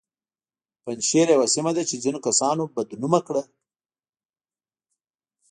پنجشیر یوه سیمه ده چې ځینو کسانو بد نومه کړه